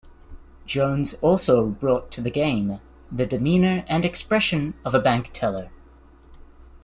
Jones also brought to the game the demeanor and expression of a bank teller.